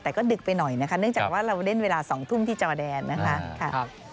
แต่ก็ดึกไปหน่อยนะคะเนื่องจากว่าเราเล่นเวลา๒ทุ่มที่จอแดนนะคะ